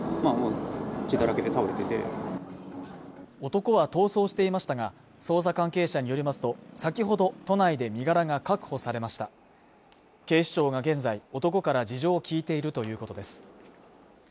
男は逃走していましたが捜査関係者によりますと先ほど都内で身柄が確保されました警視庁が現在男から事情を聞いているということです